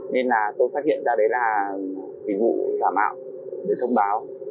nên là tôi phát hiện ra đấy là dịch vụ giả mạo để thông báo